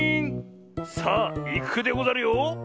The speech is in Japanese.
さあいくでござるよ。